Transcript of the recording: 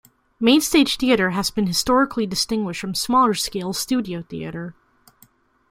Mainstage theatre has been historically distinguished from smaller-scale studio theatre.